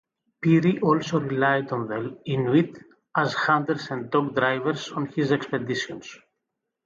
Peary also relied on the Inuit as hunters and dog-drivers on his expeditions.